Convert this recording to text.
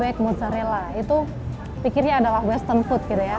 week mozzarella itu pikirnya adalah western food gitu ya